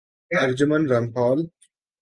ارجن من را مپال